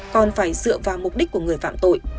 còn phải dựa vào mục đích của người phạm tội